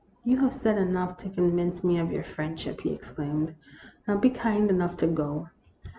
" You have said enough to convince me of your friendship," he exclaimed. "Now be kind enough to go."